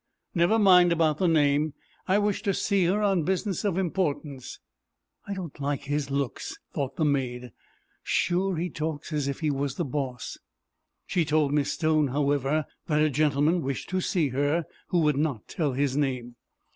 "Never mind about the name. I wish to see her on business of importance." "I don't like his looks," thought the maid. "Shure he talks as if he was the boss." She told Miss Stone, however, that a gentleman wished to see her, who would not tell his name.